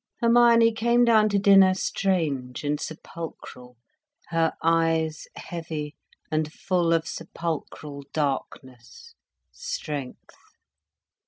Hermione came down to dinner strange and sepulchral, her eyes heavy and full of sepulchral darkness, strength.